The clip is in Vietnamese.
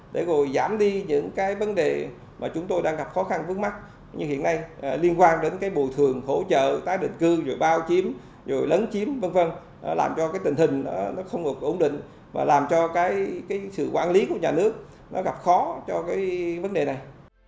để rồi giảm đi những cái vấn đề mà chúng tôi đang gặp khó khăn vướng mắt như hiện nay liên quan đến cái bùi thường hỗ trợ tái định cư rồi bao chiếm rồi lấn chiếm v v làm cho cái tình hình nó không ngược ổn định và làm cho cái sự quản lý của nhà nước nó gặp khó cho cái vấn đề này